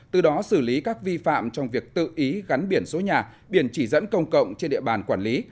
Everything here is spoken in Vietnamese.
từ đó xử lý các vi phạm trong việc tự ý gắn biển số nhà biển chỉ dẫn công cộng trên địa bàn quản lý